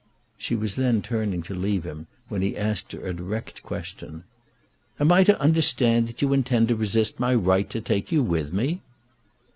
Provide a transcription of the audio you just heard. She was then turning to leave him, when he asked her a direct question. "Am I to understand that you intend to resist my right to take you with me?"